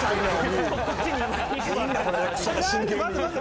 待って待って。